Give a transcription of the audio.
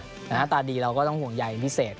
แต่หน้าตาดีเราก็ต้องห่วงใหญ่อย่างพิเศษ